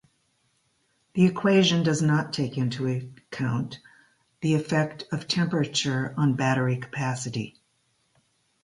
The equation does not take into account the effect of temperature on battery capacity.